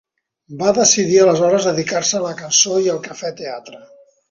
Va decidir aleshores dedicar-se a la cançó i al cafè teatre.